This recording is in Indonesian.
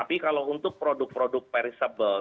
tapi kalau untuk produk produk perishable